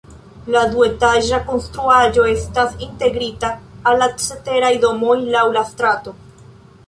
La duetaĝa konstruaĵo estas integrita al la ceteraj domoj laŭ la strato.